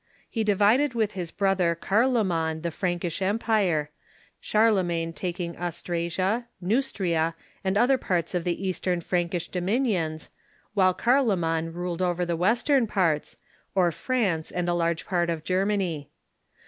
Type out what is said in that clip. He divided with his brother Carloman the Prankish Empire, Charlemagne taking Austra sia, Neustria, and other parts of the eastern Frankish domin ions, while Cai'loman ruled over the western parts, or France, and a large part of Germany.